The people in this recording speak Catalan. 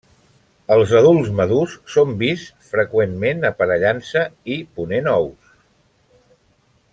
Els adults madurs són vists freqüentment aparellant-se i ponent ous.